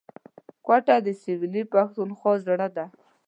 کوټه د سویلي پښتونخوا زړه دی